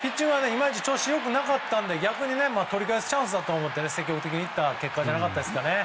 前日、ピッチングがいまいち調子良くなかったんで逆に取り返すチャンスだと思って積極的にいった結果じゃなかったですかね。